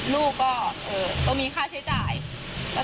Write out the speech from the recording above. เราก็ไม่ได้สนใจละ